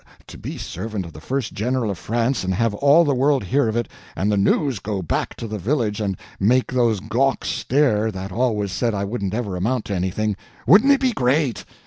To be servant of the first General of France and have all the world hear of it, and the news go back to the village and make those gawks stare that always said I wouldn't ever amount to anything—wouldn't it be great!